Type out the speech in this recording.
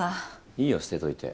いいよ捨てといて。